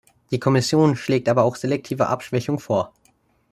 Die Kommission schlägt aber selektive Abschwächungen vor.